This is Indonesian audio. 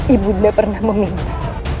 ibu udah pernah meminta